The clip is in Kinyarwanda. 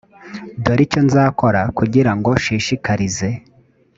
dore icyo nzakora kugira ngo nshishikarize